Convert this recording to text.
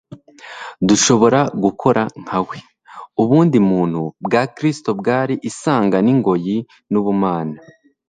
Dushobora gukora nka we. Ubundi-mutu bwa Kristo bwari isanga n'ingoyi n'ubumana;